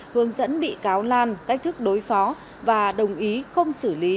hướng dẫn bị cáo lan cách thức đối phó và đồng ý không xử lý